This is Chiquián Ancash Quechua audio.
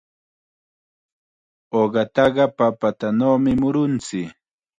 Uqataqa papatanawmi murunchik.